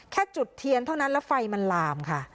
แค่จุดเทียนเท่านั้นแล้วไฟมันลามค่ะ